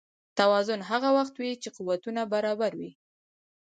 توازن هغه وخت وي چې قوتونه برابر وي.